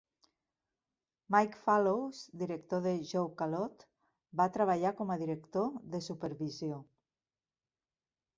Mike Fallows, director de "Joke-a-lot", va treballar com director de supervisió.